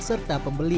jual serta pembeli